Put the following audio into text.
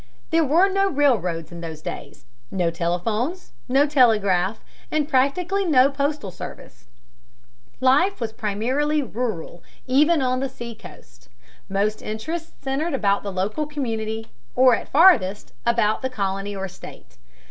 There were no railroads in those days, no telephones, no telegraph, and practically no postal service. Life was primarily rural, even on the seacoast. Most interests centered about the local community, or at farthest, about the colony or state.